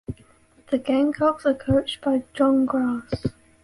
The Gamecocks are coached by John Grass.